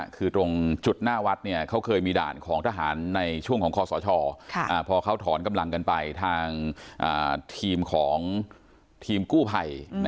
คือตรงจุดหน้าวัดเขาเคยมีด่านของทหารในช่วงของคอสชพอเขาถอนกำลังกันไปทางทีมของทีมกู้ภัย